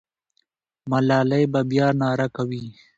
ملالۍ به بیا ناره کوي.